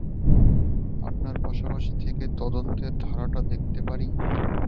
আপনার পাশাপাশি থেকে তদন্তের ধারাটা দেখতে পারি।